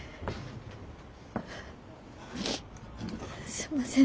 すんません